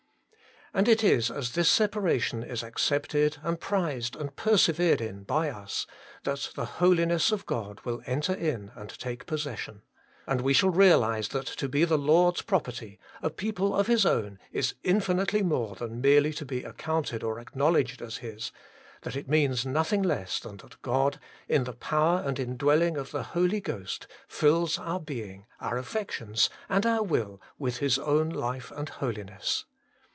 And it is as this separation is accepted and prized and persevered in by us, that the holiness of God will enter in and take possession. And we shall realize that to be the Lord's property, a people of His own, is infinitely more than merely to be accounted or acknowledged as 96 HOLY IN CHRIST. His, that it means nothing less than that God, in the power and indwelling of the Holy Ghost, fills our being, our affections, and our will with His own life and holiness.